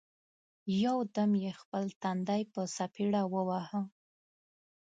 یو دم یې خپل تندی په څپېړه وواهه!